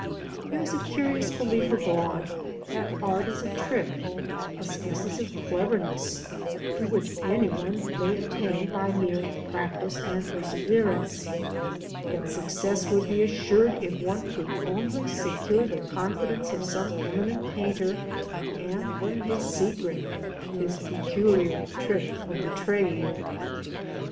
There is a curious belief abroad that art is a trick, a species of cleverness, to which anyone may attain by mere practice and perseverance; that success would be assured if one could only secure the confidence of some eminent painter and learn his secret — his peculiar " trick of the trade."